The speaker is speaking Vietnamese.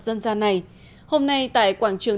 dân gian này hôm nay tại quảng trường